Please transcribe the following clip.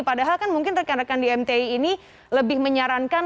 padahal kan mungkin rekan rekan di mti ini lebih menyarankan